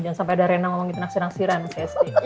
jangan sampai ada raina ngomong gitu naksir naksiran sd